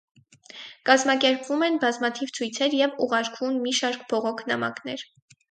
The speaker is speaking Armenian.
Կազմակերպվում են բազմաթիվ ցույցեր և ուղարկվում մի շարք բողոք նամակներ։